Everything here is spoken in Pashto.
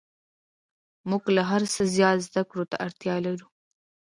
موږ له هر څه زیات زده کړو ته اړتیا لرو